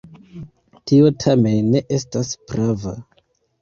Tio tamen ne estas prava.